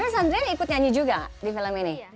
terus andrei ikut nyanyi juga di film ini